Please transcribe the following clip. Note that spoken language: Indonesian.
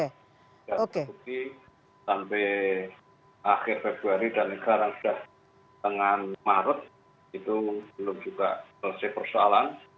tidak terbukti sampai akhir februari dan sekarang sudah dengan maret itu belum juga selesai persoalan